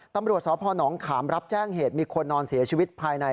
ตำรวจสพนขามรับแจ้งเหตุมีคนนอนเสียชีวิตภายใน